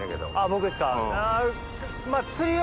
僕ですか？